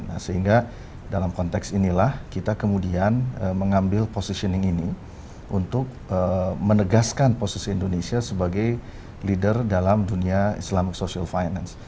nah sehingga dalam konteks inilah kita kemudian mengambil positioning ini untuk menegaskan posisi indonesia sebagai leader dalam dunia islamic social finance